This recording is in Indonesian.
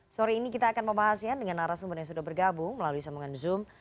sore ini kita akan membahasnya dengan arah sumber yang sudah bergabung melalui sambungan zoom